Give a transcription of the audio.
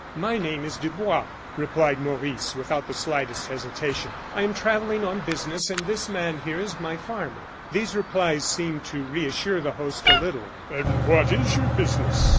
"My name is Dubois," replied Maurice, without the slightest hesitation. "I am travelling on business, and this man here is my farmer." These replies seemed to reassure the host a little. "And what is your business?"